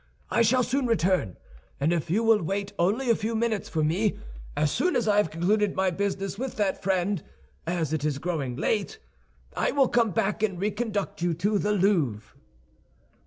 I shall soon return; and if you will wait only a few minutes for me, as soon as I have concluded my business with that friend, as it is growing late, I will come back and reconduct you to the Louvre."